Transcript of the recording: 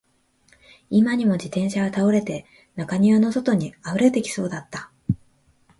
今にも自転車は倒れて、中庭の外に溢れてきそうだった